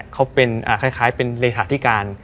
เขาเป็นคล้ายเป็นเลขาธิการ